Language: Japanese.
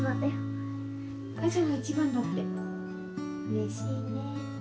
うれしいね。